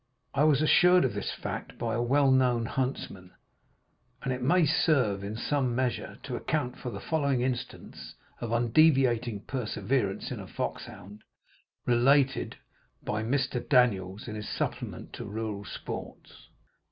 I was assured of this fact by a well known huntsman, and it may serve in some measure to account for the following instance of undeviating perseverance in a foxhound, related by Mr. Daniel in his Supplement to his "Rural Sports."